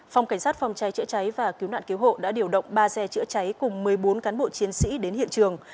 phòng cảnh sát phòng cháy chữa cháy và cứu nạn cứu hộ đã điều động ba xe chữa cháy cùng một mươi bốn cán bộ chiến sĩ đến hiện trường